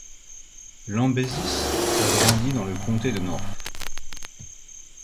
Lambesis a grandi dans le comté de North.